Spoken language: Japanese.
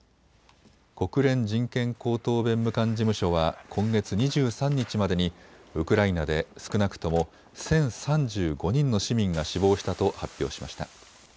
国連人権高等弁務官事務所は今月２３日までにウクライナで少なくとも１０３５人の市民が死亡したと発表しました。